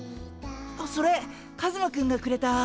あっそれカズマくんがくれた。